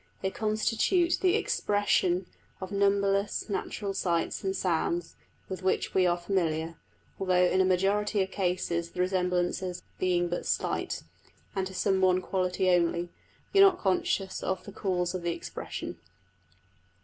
They constitute the expression of numberless natural sights and sounds with which we are familiar, although in a majority of cases the resemblance being but slight, and to some one quality only, we are not conscious of the cause of the expression.